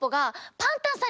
パンタンさん。